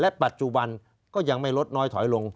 ปัจจุบันก็ยังไม่ลดน้อยถอยลง